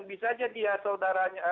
bisa aja dia saudaranya